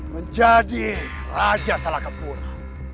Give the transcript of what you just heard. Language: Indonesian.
menjadi raja salakapura